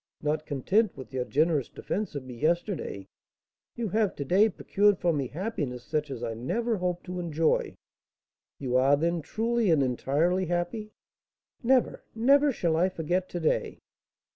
Not content with your generous defence of me yesterday, you have to day procured for me happiness such as I never hoped to enjoy." "You are, then, truly and entirely happy?" "Never, never shall I forget to day."